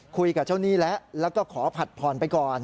คุยกับเจ้าหนี้แล้วแล้วก็ขอผัดผ่อนไปก่อน